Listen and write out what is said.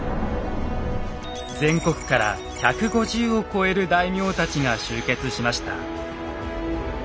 全国から１５０を超える大名たちが集結しました。